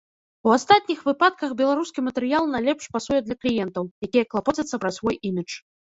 У астатніх выпадках беларускі матэрыял найлепш пасуе для кліентаў, якія клапоцяцца пра свой імідж.